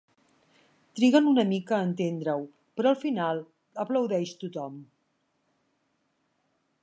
Triguen una mica a entendre-ho, però al final aplaudeix tothom.